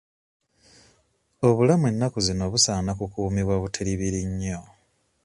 Obulamu ennaku zino busaana kukuumibwa butiribiri nnyo.